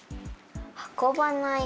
運ばない。